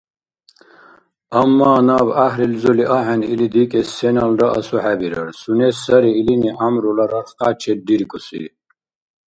Амма наб гӀяхӀрилзули ахӀен или дикӀес сеналра асухӀебирар, сунес сари илини гӀямрула рархкья черриркӀуси.